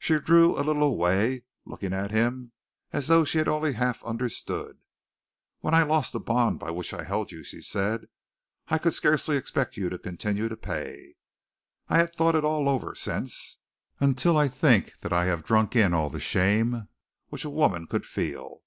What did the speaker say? She drew a little away, looking at him as though she had only half understood. "When I lost the bond by which I held you," she said, "I could scarcely expect you to continue to pay. I have thought it all over since, until I think that I have drunk in all the shame which a woman could feel.